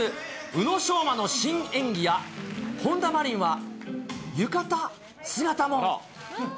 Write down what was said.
宇野昌磨の新演技や、本田真凜は浴衣姿も。